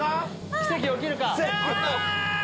奇跡が起きるか⁉あ！